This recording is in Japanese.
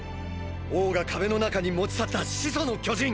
王が壁の中に持ち去った「始祖の巨人」！！